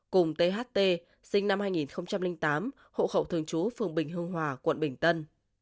cùng tht sinh năm hai nghìn tám hộ khẩu thường chú phường bình hương hòa quận bình tân